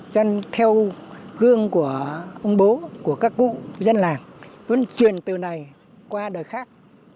cho nên theo gương của ông bố của các cụ dân làng muốn truyền từ này qua đời khác